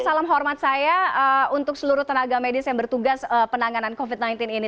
salam hormat saya untuk seluruh tenaga medis yang bertugas penanganan covid sembilan belas ini